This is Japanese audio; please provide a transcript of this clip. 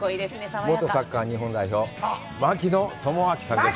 元サッカー日本代表、槙野智章さんです。